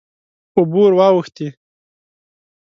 اوبه ور واوښتې.